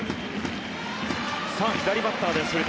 さあ、左バッターです。